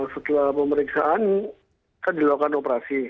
setelah pemeriksaan kan dilakukan operasi